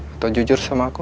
atau jujur sama aku